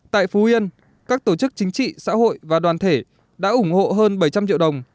tại phú yên các tổ chức chính trị xã hội và đoàn thể đã ủng hộ hơn bảy trăm linh triệu đồng